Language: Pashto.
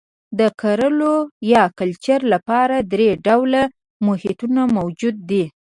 د کرلو یا کلچر لپاره درې ډوله محیطونه موجود دي.